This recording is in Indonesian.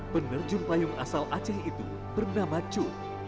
penerjun payung asal aceh itu bernama cu